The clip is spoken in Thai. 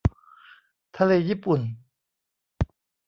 ทะเลญี่ปุ่น